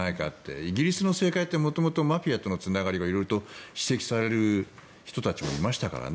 イギリスの政界って元々、マフィアとのつながりが色々と指摘される人たちもいましたからね。